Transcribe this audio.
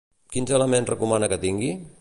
Quins elements recomana que tingui?